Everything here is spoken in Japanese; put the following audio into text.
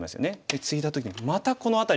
ツイだ時にまたこの辺りに。